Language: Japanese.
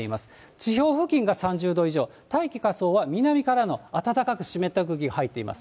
地表付近が３０度以上、大気下層は南からの暖かく湿った空気が入っています。